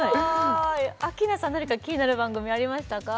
アッキーナさん何か気になる番組ありましたか？